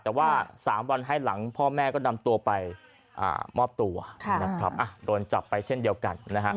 แต่ว่า๓วันให้หลังพ่อแม่ก็นำตัวไปมอบตัวนะครับโดนจับไปเช่นเดียวกันนะฮะ